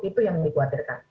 itu yang dikhawatirkan